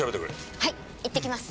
はい行ってきます。